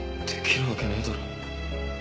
出来るわけないだろ。